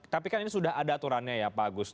tapi kan ini sudah ada aturannya ya pak agus